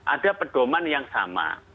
ada perdoman yang sama